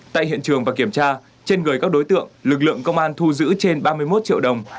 tại hiện trường và kiểm tra trên người các đối tượng lực lượng công an thu giữ trên ba mươi một triệu đồng